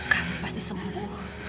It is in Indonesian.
kamu pasti sembuh